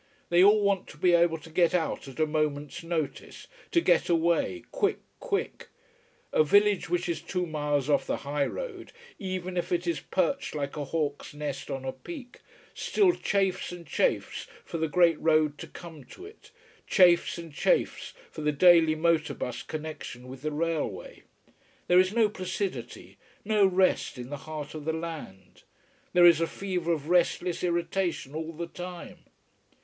They all want to be able to get out at a moment's notice, to get away quick, quick. A village which is two miles off the high road, even if it is perched like a hawk's nest on a peak, still chafes and chafes for the great road to come to it, chafes and chafes for the daily motor bus connection with the railway. There is no placidity, no rest in the heart of the land. There is a fever of restless irritation all the time.